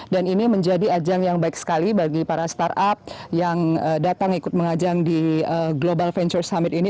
dan ini menjadi ajang yang baik sekali bagi para startup yang datang ikut mengajang di global venture summit ini